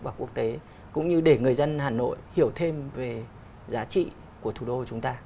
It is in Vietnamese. và quốc tế cũng như để người dân hà nội hiểu thêm về giá trị của thủ đô của chúng ta